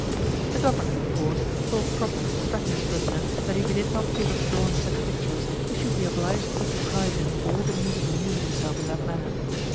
The governor, of course, thought proper to threaten his prisoner that if he did not give up drawing such pictures he should be obliged to deprive him of all the means of amusing himself in that manner.